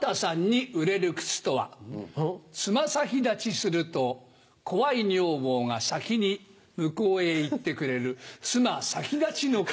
爪先立ちすると怖い女房が先に向こうへいってくれるツマサキダチの靴。